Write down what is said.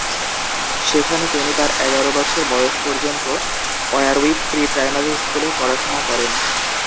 সেখানে তিনি তার এগার বছর বয়স পর্যন্ত ওয়ারউইক প্রি-প্রাইমারি স্কুলে পড়াশুনা করেন।